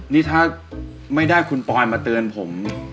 นี่ถ้าไม่ได้คุณปอยมาเตือนผม